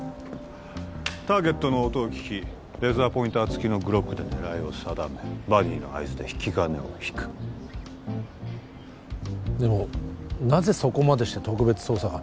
ターゲットの音を聞きレーザーポインターつきのグロックで狙いを定めバディの合図で引き金を引くでもなぜそこまでして特別捜査官に？